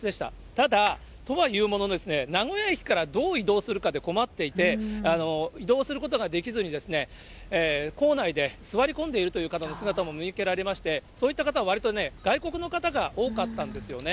ただ、とはいうものの、名古屋駅からどう移動するかで困っていて、移動することができずに、構内で座り込んでいるという方の姿も見受けられまして、そういった方、わりとね、外国の方が多かったんですよね。